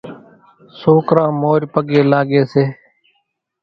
سوڪران مورِ پڳين لاڳي سي،